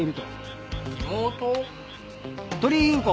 鳥居優子